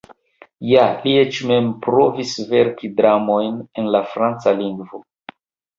Ja, li eĉ mem provis verki dramojn en la franca lingvo.